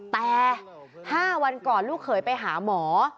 แต่๕วันก่อนลูกเขยไปหาหมอ